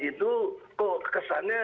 itu kok kesannya